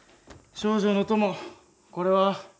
「少女の友」これは？